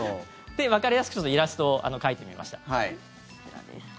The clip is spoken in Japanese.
わかりやすくイラストを描いてみました。